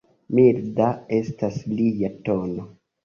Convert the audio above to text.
Milda estas lia tono.